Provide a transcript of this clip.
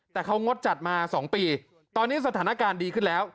แต่เขางดจัดมา๒ปีตอนนี้สถานการณ์ดีขึ้นแล้ว